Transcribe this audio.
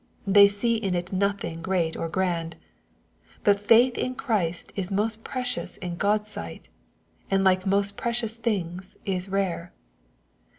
They see in it nothing great or grand. But faith in Christ is most precious in God's sight, and like most precious things, is rare.